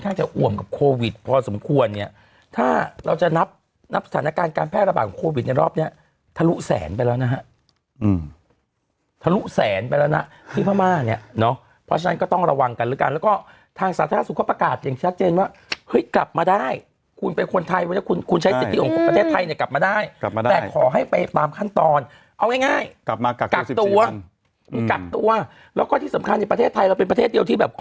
ทะลุแสนไปแล้วนะที่พม่าเนี่ยเนาะเพราะฉะนั้นก็ต้องระวังกันแล้วกันแล้วก็ทางสาธารณสุขประกาศอย่างชัดเจนว่าเฮ้ยกลับมาได้คุณเป็นคนไทยไว้แล้วคุณคุณใช้สิทธิ์ของประเทศไทยเนี่ยกลับมาได้กลับมาได้แต่ขอให้ไปตามขั้นตอนเอาง่ายกลับมากักตัวกักตัวแล้วก็ที่สำคัญในประเทศไทยเราเป็นประเ